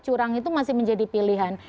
curang itu masih menjadi pilihan